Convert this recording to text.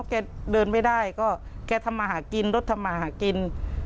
แกเดินไม่ได้ก็แกทำมาหากินรถทำมาหากิน